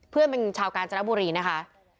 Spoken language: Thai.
เพื่อนเป็นชาวการจนบุรีนะคะ